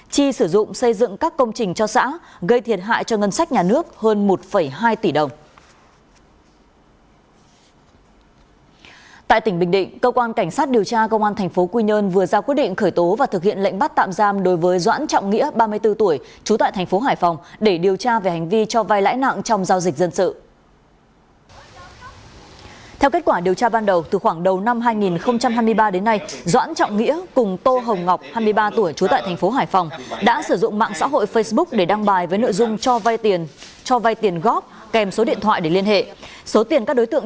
chi sử dụng xây dựng các công trình cho xã gây thiệt hại cho ngân sách nhà nước hơn một hai tỷ đồng